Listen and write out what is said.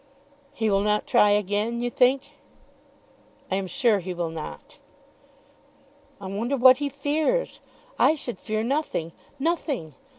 "He will not try again, you think?" "I am sure he will not." "I wonder what he fears. I should fear nothing, nothing.